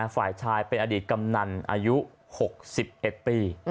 ฝ่ายชายเป็นอดีตกำนันอายุ๖๑ปี